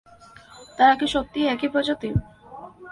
তারা কি সত্যিই একই প্রজাতির?